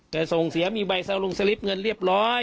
แต่ส่งเสียมีใบเซาลงสลิปเงินเรียบร้อย